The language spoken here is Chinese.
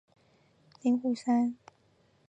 以下书籍在台代理版的译者皆为林武三。